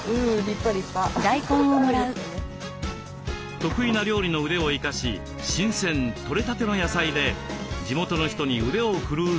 得意な料理の腕を生かし新鮮取れたての野菜で地元の人に腕を振るう日々。